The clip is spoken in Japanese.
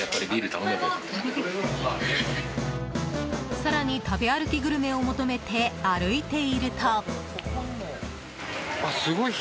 更に食べ歩きグルメを求めて歩いていると。